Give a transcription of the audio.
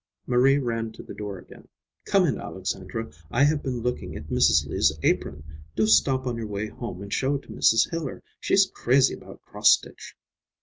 Marie ran to the door again. "Come in, Alexandra. I have been looking at Mrs. Lee's apron. Do stop on your way home and show it to Mrs. Hiller. She's crazy about cross stitch."